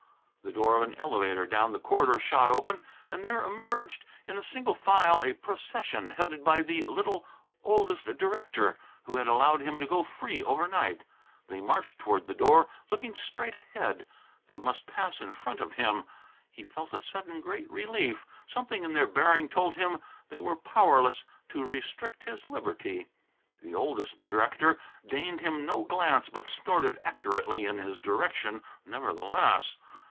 The door of an elevator down the corridor shot open, and there emerged, in single file, a procession, headed by the little oldest director, who had allowed him to go free overnight. They marched toward the door, looking straight ahead. They must pass in front of him. He felt a sudden great relief. Something in their bearing told him they were powerless to restrict his liberty. The oldest director deigned him no glance, but snorted accurately in his direction, nevertheless.